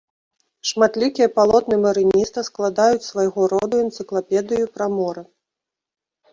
Шматлікія палотны марыніста складаюць свайго роду энцыклапедыю пра мора.